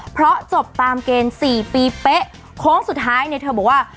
เพราะจบตามเกณฑ์๔ปีเป๊ะโค้งสุดท้ายเนี่ยเธอบอกว่า